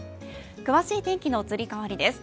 詳しい天気の移り変わりです。